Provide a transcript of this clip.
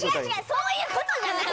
そういうことじゃない